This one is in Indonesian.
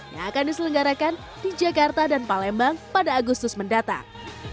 yang akan diselenggarakan di jakarta dan palembang pada agustus mendatang